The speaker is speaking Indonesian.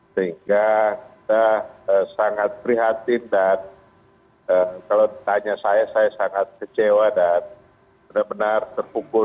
sehingga kita sangat prihatin dan kalau ditanya saya saya sangat kecewa dan benar benar terkumpul